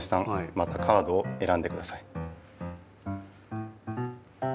またカードをえらんでください。